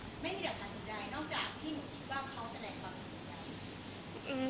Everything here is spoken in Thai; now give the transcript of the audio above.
ไม่มีเหลือความถูกใดนอกจากที่มึงคิดว่าเขาแสดงความถูกใด